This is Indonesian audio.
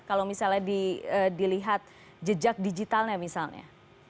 kalau misalnya dilihat jejak digitalnya misalnya